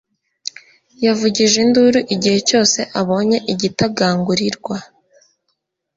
Yavugije induru igihe cyose abonye igitagangurirwa.